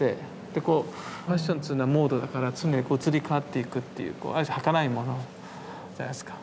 でこうファッションっていうのはモードだから常に移り変わっていくっていうある種はかないものじゃないですか。